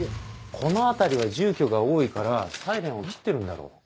この辺りは住居が多いからサイレンを切ってるんだろう。